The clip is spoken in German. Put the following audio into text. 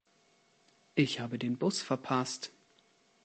Ich habe den Bus verpasst.